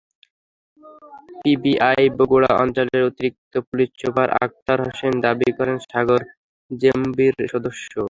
PBI Bogura অঞ্চলের অতিরিক্ত police super Akhtar Hossain দাবি করেন, সাগর জেএমবির সদস্য।